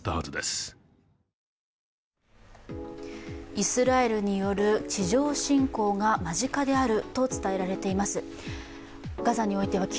イスラエルによる地上侵攻が間近であると伝えられています。